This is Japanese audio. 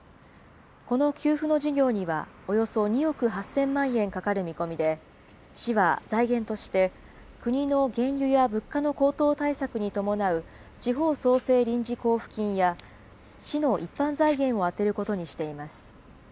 この給付の事業には、およそ２億８０００万円かかる見込みで、市は財源として、国の原油や物価の高騰対策に伴う地方創生臨時交付金や、市の一般財源を充てることにしています。